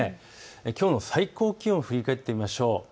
きょうの最高気温を振り返ってみましょう。